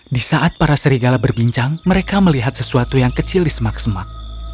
di saat para serigala berbincang mereka melihat sesuatu yang kecil di semak semak